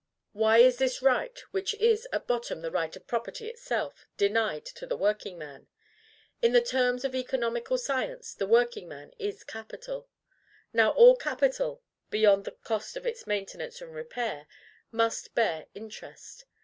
Why is this right, which is at bottom the right of property itself, denied to the workingman? In the terms of economical science, the workingman is capital. Now, all capital, beyond the cost of its maintenance and repair, must bear interest.